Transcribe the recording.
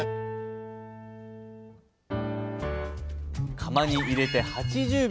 釜に入れて８０秒。